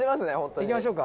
「いきましょうか？」